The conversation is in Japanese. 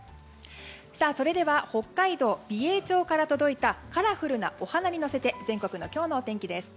それでは北海道美瑛町から届いたカラフルなお花に乗せて全国の今日のお天気です。